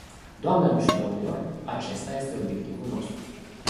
Doamnelor și domnilor, acesta este obiectivul nostru.